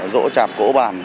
rỗ chạp cổ bàn